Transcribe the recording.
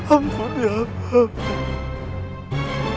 ampun ya allah